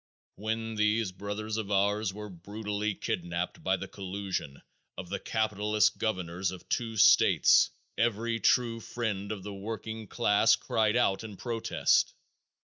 When these brothers of ours were brutally kidnaped by the collusion of the capitalist governors of two states, every true friend of the working class cried out in protest.